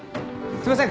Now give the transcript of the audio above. すいません